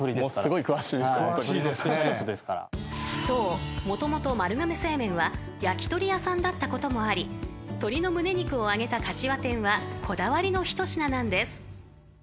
［そうもともと丸亀製麺は焼き鳥屋さんだったこともあり鶏の胸肉を揚げたかしわ天はこだわりの一品なんです］